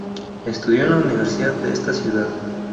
Estudió en la universidad de esta ciudad.